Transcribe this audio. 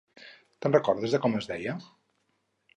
Te'n recordes, de com es deia?